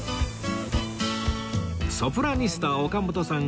ソプラニスタ岡本さん